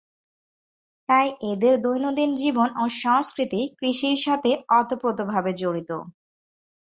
তাই এদের দৈনন্দিন জীবন ও সংস্কৃতি কৃষির সাথে ওতপ্রোতভাবে জড়িত।